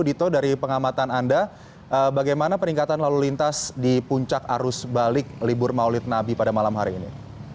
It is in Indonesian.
dito dari pengamatan anda bagaimana peningkatan lalu lintas di puncak arus balik libur maulid nabi pada malam hari ini